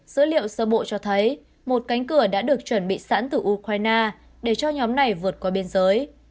dữ liệu sơ bộ cho thấy một cánh cửa đã được chuẩn bị sẵn từ ukraine để cho nhóm này vượt qua biên giới